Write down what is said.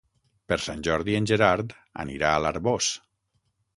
Per Sant Jordi en Gerard anirà a l'Arboç.